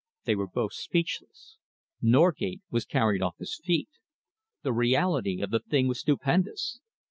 They were both speechless. Norgate was carried off his feet. The reality of the thing was stupendous.